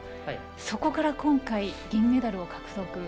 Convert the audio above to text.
そこから今回、銀メダルを獲得。